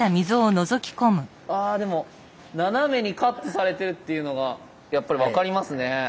ああでも斜めにカットされてるっていうのがやっぱり分かりますね。